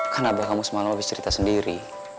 kan abah kamu semalam abis cerita sendiri